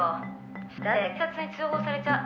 「だって警察に通報されちゃう。